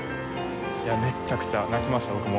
めちゃくちゃ泣きました僕も。